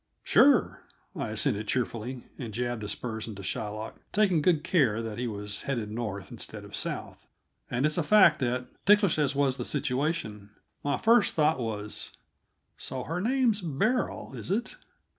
"Sure!" I assented cheerfully, and jabbed the spurs into Shylock taking good care that he was beaded north instead of south. And it's a fact that, ticklish as was the situation, my first thought was: "So her name's Beryl, is it?